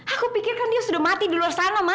aku pikir kan dia sudah mati di luar sana mah